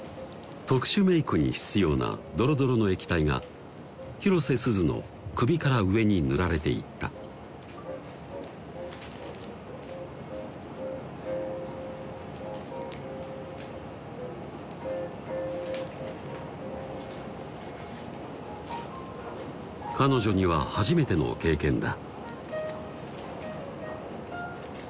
特殊メイクに必要などろどろの液体が広瀬すずの首から上に塗られていった彼女には初めての経験だ